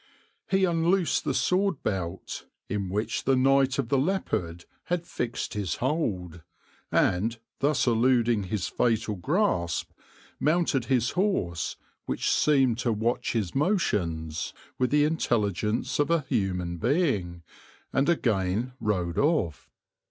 He unloosed the sword belt, in which the Knight of the Leopard had fixed his hold, and, thus eluding his fatal grasp, mounted his horse, which seemed to watch his motions with the intelligence of a human being, and again rode off.